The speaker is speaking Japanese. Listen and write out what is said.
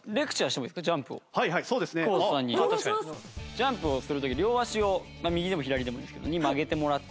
ジャンプをする時両足を右でも左でもいいんですけど曲げてもらって。